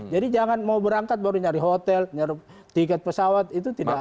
jadi jangan mau berangkat baru nyari hotel nyari tiket pesawat itu tidak